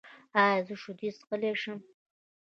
ایا زه شیدې څښلی شم؟